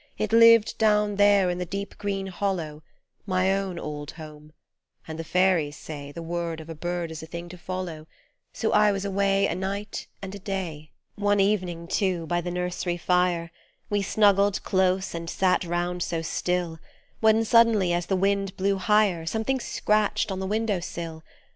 It lived down there in the deep green hollow, My_pwnj>ld_home, and the fairies say The word of a bird is a thing to follow, So I was away a night and a day. One evening, too, by the nursery fire, We snuggled close and sat round so still, When suddenly as the wind blew higher, Something scratched on the window sill.